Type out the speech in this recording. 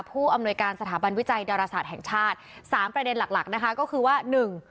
ผู้อำนวยการสถาบันวิจัยดาราศาสตร์แห่งชาติสามประเด็นหลักหลักนะคะก็คือว่าหนึ่ง